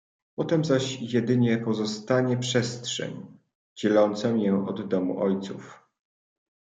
"Potem zaś jedynie pozostanie przestrzeń, dzieląca mię od domu ojców."